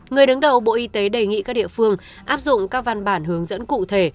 người đứng đầu bộ y tế đề nghị các địa phương áp dụng các văn bản hướng dẫn cụ thể